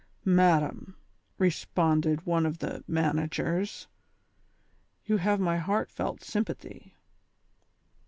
"Madam," responded one of the managers, "you have my heartfelt sympathy."